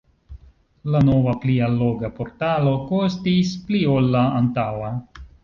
La nova pli alloga portalo kostis pli ol la antaŭa.